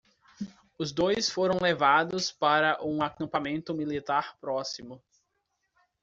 Os dois foram levados para um acampamento militar próximo.